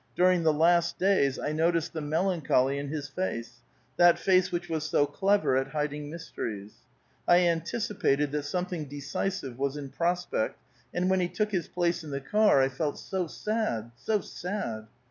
During the last days I noticed the melancholy in his face — that face which was so clever at hiding mysteries ; I anticipated that something decisive was in prospect, and when he took his place in the car, I felt so sad, so sad